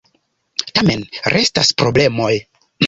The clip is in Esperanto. Tamen restas problemoj.